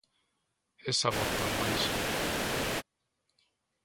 Esa voz tan baixa.